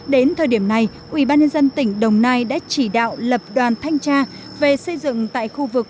đến thời điểm này ubnd tỉnh đồng nai đã chỉ đạo lập đoàn thanh tra về xây dựng tại khu vực